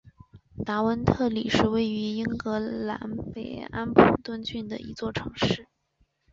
达文特里是位于英格兰北安普敦郡的一座城市。